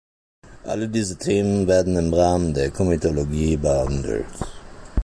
Alle diese Themen werden im Rahmen der Komitologie behandelt.